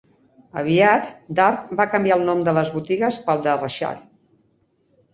Aviat, Dart va canviar el nom de les botigues pel de Rexall.